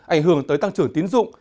ảnh hưởng tới tăng trưởng tín dụng